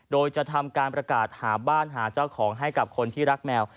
โดยจะทำการประกาศหาบ้านหาเจ้าของให้กับคนที่รักแมว